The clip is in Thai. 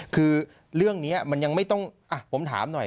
คือเรื่องนี้มันยังไม่ต้องผมถามหน่อย